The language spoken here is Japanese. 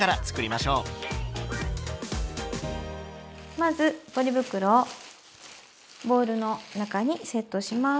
まずポリ袋をボウルの中にセットします。